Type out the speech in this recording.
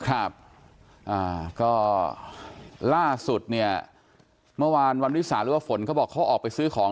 ครับอ่าก็ล่าสุดเนี่ยเมื่อวานวันวิสาหรือว่าฝนเขาบอกเขาออกไปซื้อของ